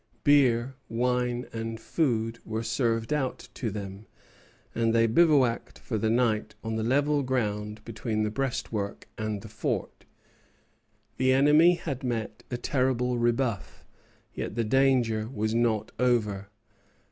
Beer, wine, and food were served out to them, and they bivouacked for the night on the level ground between the breastwork and the fort. The enemy had met a terrible rebuff; yet the danger was not over.